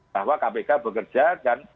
bahwa kpk bekerja dan